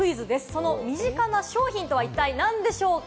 その身近な商品とは一体何でしょうか？